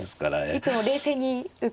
いつも冷静に受けの手を。